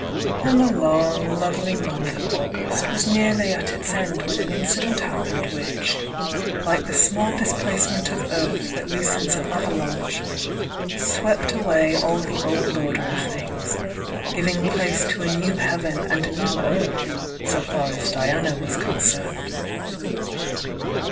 And the long, lovely month of August was nearly at its end when an incident hap pened which, like the small displacement of earth that loosens an avalanche, swept away all the old order of things, giving place to a new heaven and a new earth so far as Diana was concerned.